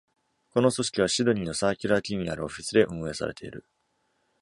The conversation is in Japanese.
この組織はシドニーのサーキュラー・キーにあるオフィスで運営されている。